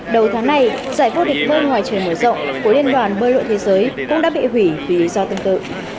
đầu tháng này giải vô địch bơi ngoài trời mở rộng của liên đoàn bơi lội thế giới cũng đã bị hủy vì do tương tự